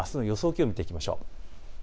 気温、見ていきましょう。